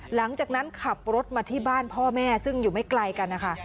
หลังจากนั้นขับรถมาที่บ้านพ่อแม่ซึ่งอยู่ไม่ไกลกันนะคะ